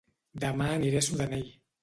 Dema aniré a Sudanell